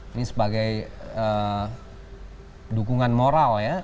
ini sebagai dukungan moral ya